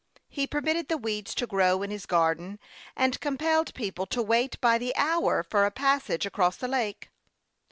He permitted the weeds to grow in his garden, and compelled people to Avait by the hour for a passage across the lake.